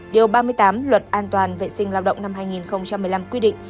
điều ba mươi tám luật an toàn vệ sinh lao động năm hai nghìn một mươi năm quy định